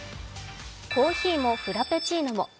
コーヒーもフラペチーノも。